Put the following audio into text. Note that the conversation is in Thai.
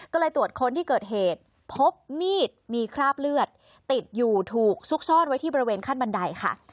ก็เลยตรวจค้นที่เกิดเหตุพบมีดมีคราบเลือดติดอยู่ถูกซุกซ่อนไว้ที่บริเวณขั้นบันไดค่ะ